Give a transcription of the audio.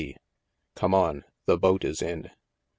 D. Come on. The boat is in."